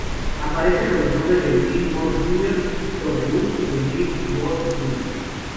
Aparece con los nombres de Eugene Moore Jr., W. Eugene Moore Jr.